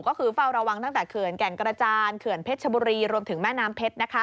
ก็คือเฝ้าระวังตั้งแต่เขื่อนแก่งกระจานเขื่อนเพชรชบุรีรวมถึงแม่น้ำเพชรนะคะ